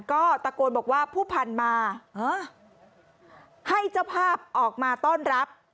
ก็ตะโกนบอกว่าผู้พันธุ์มาให้เจ้าภาพออกมาต้อนรับ